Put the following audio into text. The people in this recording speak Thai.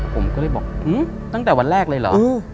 ผมก็เลยบอกตั้งแต่วันแรกเลยเหรอ